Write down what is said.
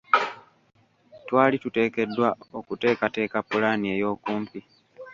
Twali tuteekeddwa okuteekateeka pulaani ey’okumpi.